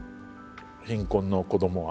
貧困の子どもは。